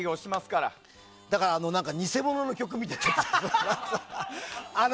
だから、偽物の曲みたいなのを。